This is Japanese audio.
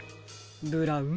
ブラウン